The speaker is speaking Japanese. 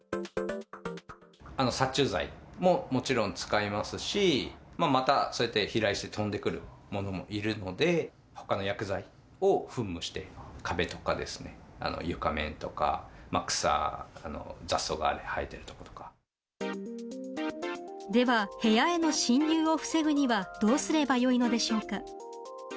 殺虫剤ももちろん使いますし、またそうやって飛来して飛んでくるものもいるので、ほかの薬剤を噴霧して、壁とかですね、床面とか、草、では、部屋への侵入を防ぐにはどうすればよいのでしょうか。